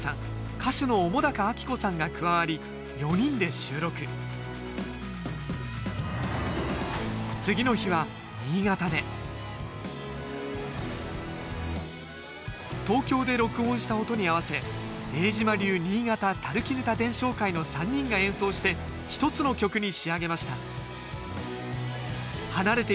歌手のおもだか秋子さんが加わり４人で収録次の日は新潟で東京で録音した音に合わせ永島流新潟砧伝承会の３人が演奏して一つの曲に仕上げました